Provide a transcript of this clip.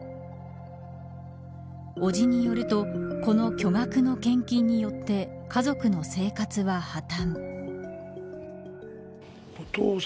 伯父によるとこの巨額の献金によって家族の生活は破綻。